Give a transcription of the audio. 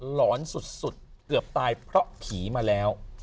หอนสุดเกือบตายเพราะผีมาแล้ว